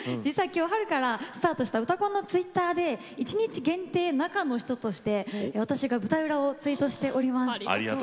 春からスタートした「うたコン」のツイッターで一日限定中の人として私が舞台裏をツイートしております。